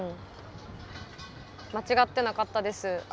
間違ってなかったです。